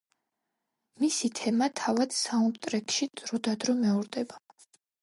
მისი თემა თავად საუნდტრეკში დროდადრო მეორდება.